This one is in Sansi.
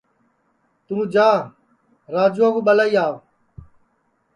توں جا راجوا کُو ٻلائی آو